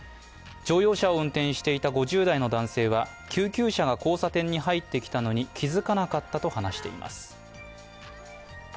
乗用車を運転していた５０代の男性は救急車が交差点に入ってきたのに気づかなかったと話しています。